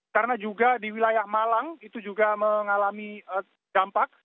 karena juga di wilayah malang itu juga mengalami dampak